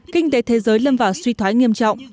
kinh tế thế giới lâm vào suy thoái nghiêm trọng